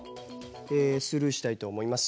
えスルーしたいと思います。